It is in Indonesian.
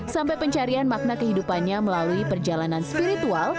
sampai pencarian makna kehidupannya melalui perjalanan spiritual